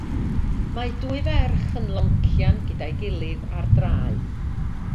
Mae dwy ferch yn loncian gyda'i gilydd ar draeth.